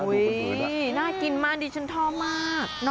อุ้ยน่ากินมากดีจะเทอมมาก